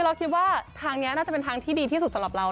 อยากสวยอยากดูดีไปหาหมอ